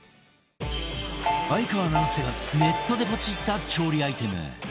相川七瀬がネットでポチった調理アイテム